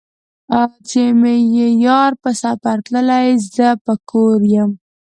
چې مې يار په سفر تللے زۀ به کور يم